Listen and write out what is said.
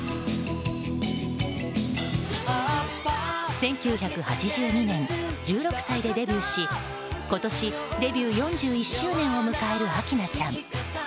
１９８２年、１６歳でデビューし今年デビュー４１周年を迎える明菜さん。